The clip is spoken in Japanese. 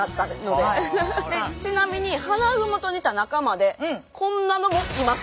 でちなみにハナグモと似た仲間でこんなのもいます。